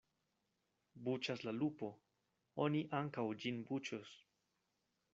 Buĉas la lupo, oni ankaŭ ĝin buĉos.